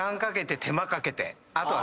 あとは。